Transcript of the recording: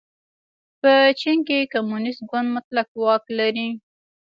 په چین کې کمونېست ګوند مطلق واک لري.